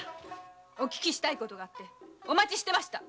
お聞きしたい事がありお待ちしてました！